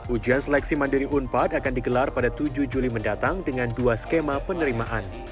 ujian seleksi mandiri unpad akan digelar pada tujuh juli mendatang dengan dua skema penerimaan